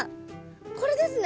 これですね？